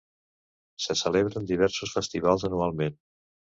Se celebren diversos festivals anualment.